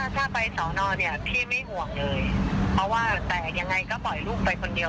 ถ้าไปสอนอดพี่ไม่ห่วงเลย